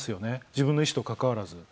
自分の意思とかかわらず。